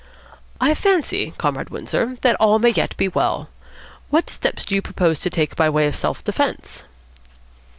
I fancy, Comrade Windsor, that all may yet be well. What steps do you propose to take by way of self defence?"